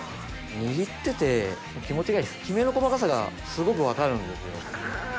握ってて気持ちがいいですきめの細かさがすごく分かるんですよ。